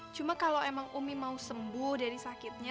cuma kalau emang umi mau sembuh dari sakitnya